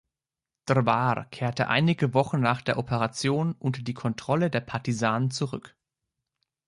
Drvar kehrte wenige Wochen nach der Operation unter die Kontrolle der Partisanen zurück.